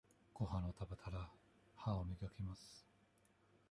ごはんを食べたら、歯を磨きます。